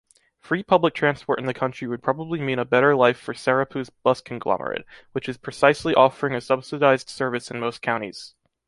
Free public transport in the country would probably mean a better life for Sarapuu’s bus conglomerate, which is precisely offering a subsidized service in most counties.